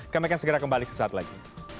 kami akan segera kembali sesaat lagi